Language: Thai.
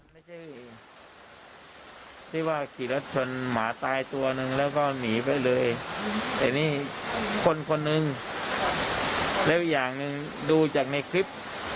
ไม่ใช่ชนหมาตายตัวหนึ่งแล้วก็หนีไปเลยคนมึง๑อย่างดูจากในคลิป